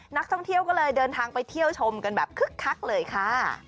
นักท่องเที่ยวก็เลยเดินทางไปเที่ยวชมกันแบบคึกคักเลยค่ะ